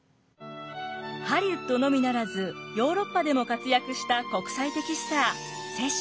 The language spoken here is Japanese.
ハリウッドのみならずヨーロッパでも活躍した国際的スター雪洲。